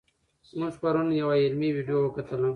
موږ پرون یوه علمي ویډیو وکتله.